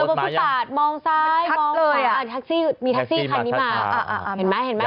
เดินบนผู้ตาดมองซ้ายมองไปมีทักซี่คันนี้มา